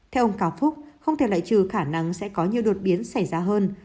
theo ông cao phúc không thể lại trừ khả năng sẽ có nhiều đột biến xảy ra hơn